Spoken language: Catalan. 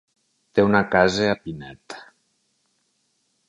Té una casa a Pinet.